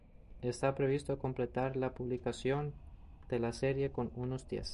Está previsto completar la publicación de la serie con unos diez.